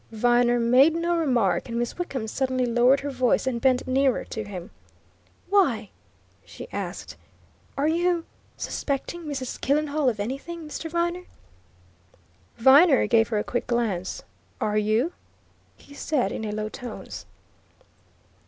Viner made no remark, and Miss Wickham suddenly lowered her voice and bent nearer to him. "Why?" she asked. "Are you suspecting Mrs. Killenhall of anything, Mr. Viner?" Viner gave her a quick glance. "Are you?" he said in low tones.